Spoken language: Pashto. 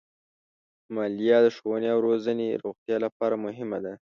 مالیه د ښوونې او روغتیا لپاره مهمه ده.